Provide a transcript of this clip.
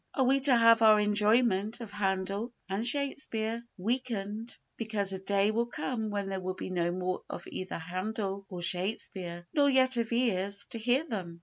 Are we to have our enjoyment of Handel and Shakespeare weakened because a day will come when there will be no more of either Handel or Shakespeare nor yet of ears to hear them?